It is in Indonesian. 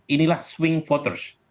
inilah swing voters